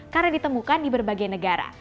karena ditemukan di berbagai negara